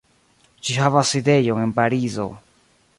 Ĝi havas sidejon en Parizo.